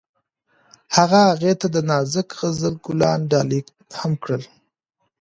هغه هغې ته د نازک غزل ګلان ډالۍ هم کړل.